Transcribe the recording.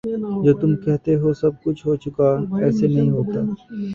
جو تم کہتے ہو سب کچھ ہو چکا ایسے نہیں ہوتا